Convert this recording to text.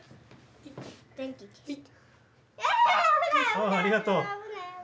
あっありがとう。